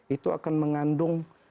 itu akan mengandung